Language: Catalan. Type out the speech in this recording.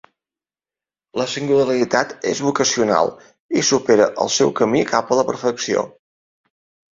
La singularitat és vocacional i supera el seu camí cap a la perfecció.